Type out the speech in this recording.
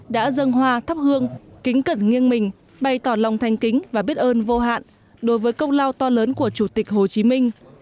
đã dân hoa thắp hương kính cẩn nghiêng mình bày tỏ lòng thanh kính và biết ơn vô hạn đối với công lao to lớn của chủ tịch hồ chí minh